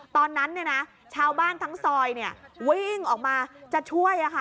ตอนนั้นชาวบ้านทั้งซอยวิ่งออกมาจะช่วย